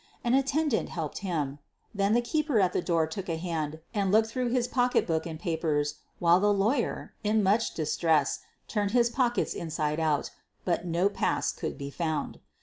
An attendant helped him. Then the keeper at the door took a hand and looked through his pocketbook and papers while the "law yer," in much distress, turned his pockets inside out. But no pass could be found.